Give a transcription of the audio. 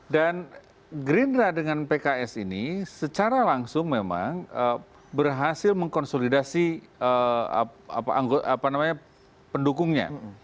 dan gerindra dengan pks ini secara langsung memang berhasil mengkonsolidasi pendukungnya